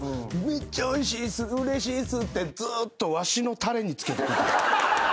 「めっちゃおいしいです。うれしいです」ってずっとわしのたれにつけて食うてた。